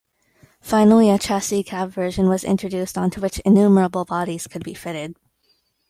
Finally a chassis-cab version was introduced onto which innumerable bodies could be fitted.